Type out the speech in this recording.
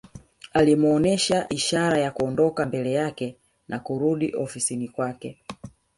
Alimuonesha ishara ya Kuondoka mbele yake na kurudi ofisini kwake